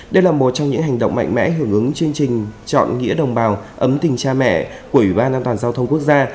đây là một trong những hành động mạnh mẽ hưởng ứng chương trình chọn nghĩa đồng bào ấm tình cha mẹ của ủy ban an toàn giao thông quốc gia